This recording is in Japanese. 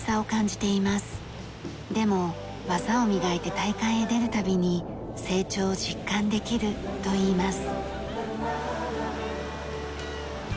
でも技を磨いて大会へ出る度に成長を実感できるといいます。